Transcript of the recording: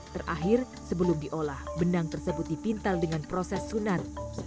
terakhir sebelum diolah benang tersebut dipintal dengan proses sunan